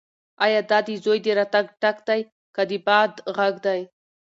ایا دا د زوی د راتګ ټک دی که د باد غږ دی؟